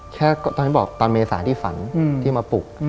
แค่ตอนเมษายที่ฝันที่มาปลูก